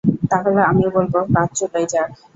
তাহলে, আমি বলব, কাজ চুলোয় যাক!